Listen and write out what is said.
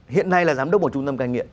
hiện nay là giám đốc một trung tâm cai nghiện